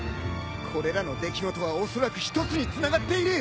これらの出来事はおそらく一つにつながっている！